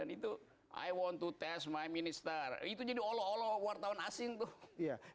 itu i want to test my minister itu jadi olo olo wartawan asing tuh